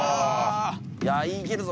いやあいけるぞ。